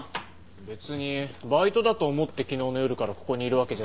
別にバイトだと思って昨日の夜からここにいるわけじゃないんで。